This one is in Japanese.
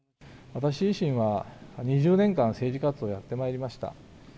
私自身は２０年間政治活動をやってまいりました。